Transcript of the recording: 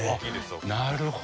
なるほど。